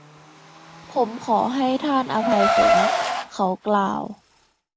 “ผมขอให้ท่านอภัยผม” เขากล่าว